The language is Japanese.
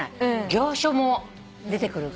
行書も出てくるから。